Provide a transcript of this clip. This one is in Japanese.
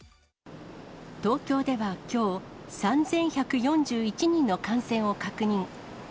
東京ではきょう、３１４１人の感染を確認。